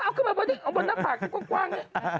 เอาขึ้นมาบนหน้าผากซิกว่าง